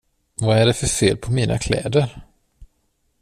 Vad är det för fel på mina kläder?